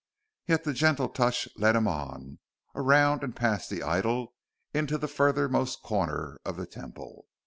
Yet the gentle touch led him on around and past the idol into the furthermost corner of the Temple.